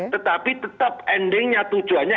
tetapi tetap endingnya tujuannya